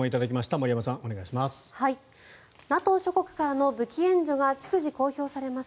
森山さん、お願いします。